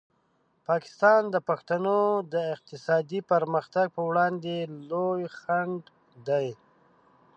پاکستان د پښتنو د اقتصادي پرمختګ په وړاندې لوی خنډ دی.